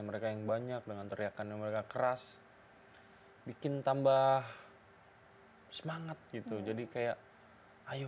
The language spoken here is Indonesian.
mereka yang banyak dengan teriakan yang mereka keras bikin tambah semangat gitu jadi kayak ayo